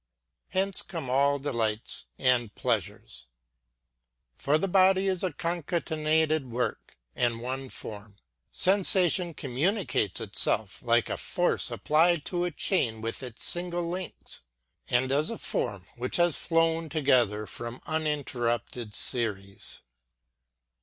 Hence come all delights and pleasures. For the body is a concatenated work, 154 USEFUL DIVERSIONS. and one form. Sensation communicates itself, like a force applied to a cliain with its single links, and as a form which has flown together from uninterrupted series.